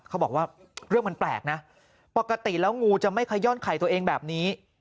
เขาบอกว่าเรื่องมันแปลกนะปกติแล้วงูจะไม่ขย่อนไข่ตัวเองแบบนี้